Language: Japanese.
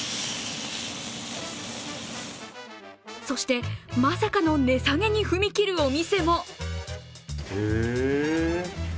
そして、まさかの値下げに踏み切るお店も。